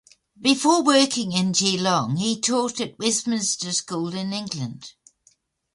Before working in Geelong, he taught at Westminster School in England.